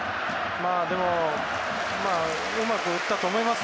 うまく打ったと思います。